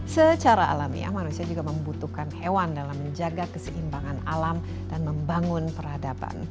secara alamiah manusia juga membutuhkan hewan dalam menjaga keseimbangan alam dan membangun peradaban